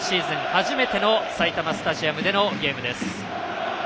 初めての埼玉スタジアムでのゲームです。